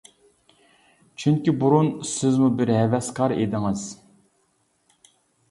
چۈنكى، بۇرۇن سىزمۇ بىر ھەۋەسكار ئىدىڭىز.